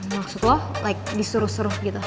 maksud lo like disuruh suruh gitu